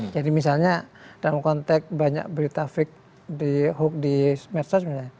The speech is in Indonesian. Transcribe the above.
jadi misalnya dalam konteks banyak berita fik di hoax di smart source